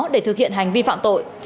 để thực hiện hành vi phạm tội